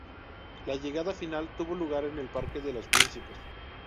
La llegada final tuvo lugar en el Parque de los Príncipes.